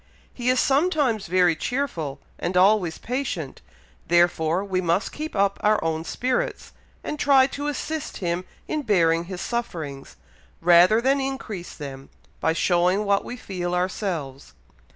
He is sometimes very cheerful, and always patient, therefore we must keep up our own spirits, and try to assist him in bearing his sufferings, rather than increase them, by showing what we feel ourselves.